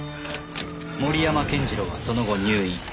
森山健次郎はその後入院。